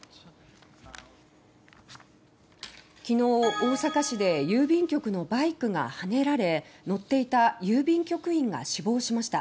大阪市で郵便局のバイクがはねられ乗っていた郵便局員が死亡しました。